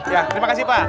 ya terima kasih pak